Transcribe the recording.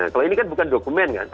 kalau ini kan bukan dokumen kan